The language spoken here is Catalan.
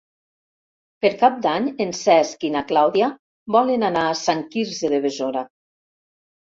Per Cap d'Any en Cesc i na Clàudia volen anar a Sant Quirze de Besora.